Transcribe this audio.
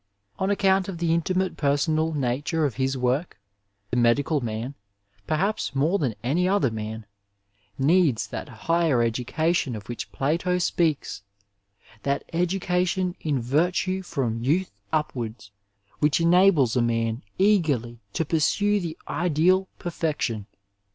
On account of the intimate personal nature of his work, the medical man, perhaps more than any other man, needs that higher education of which Plato speaks, —" that education in virtue from youth upwards, whifch enables a man eagerly to ptirsue the ideal perfection.'